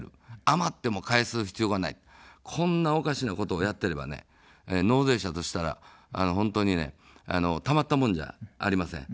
余っても返す必要がない、こんなおかしなことをやってれば納税者としたら本当にたまったもんじゃありません。